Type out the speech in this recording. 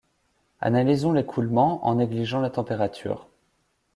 Analysons l'écoulement, en négligeant la température.